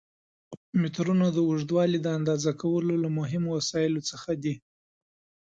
مترونه د اوږدوالي د اندازه کولو له مهمو وسایلو څخه دي.